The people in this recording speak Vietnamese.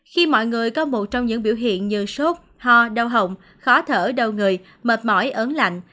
khi mọi người có một trong những biểu hiện như sốt ho đau hỏng khó thở đau người mệt mỏi ớn lạnh